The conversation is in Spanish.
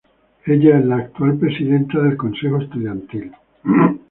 Ella es la presidenta del consejo estudiantil actual.